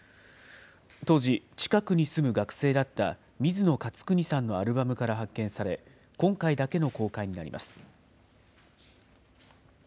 当時、近くに住む学生だった水野勝邦さんのアルバムから発見され、今回だけの公開になります。